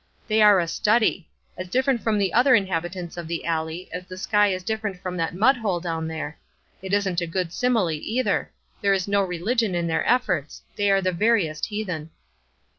They are a study! as different from the other inhabitants of the alley as the sky is different from that mud hole down there. It isn't a good simile, either. There is no religion in their efforts. They are the veriest heathen."